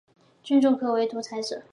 君主可为独裁者。